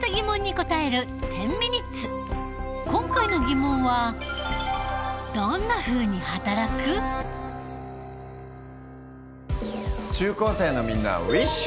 今回の疑問は中高生のみんなウィッシュ！